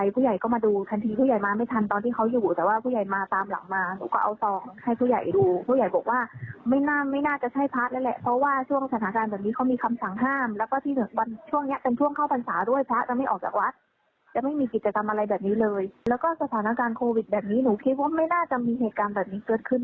โปรดติดตามตอนต่อไป